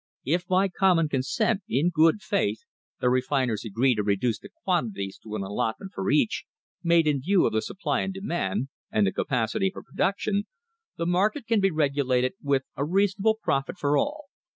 If by common consent, in good faith, the refiners agree to reduce the quantities to an allotment for each, made in view of the supply and demand, and the capacity for production, the market can be regulated with a reasonable profit for all.